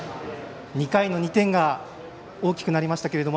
２回の２点が大きくなりましたけども。